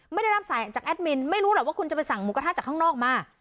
ไม่ได้รับสายจากแอดมินไม่รู้หรอกว่าคุณจะไปสั่งหมูกระทะจากข้างนอกมา